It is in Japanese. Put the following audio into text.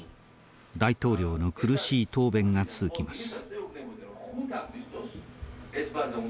大統領の苦しい答弁が続きます。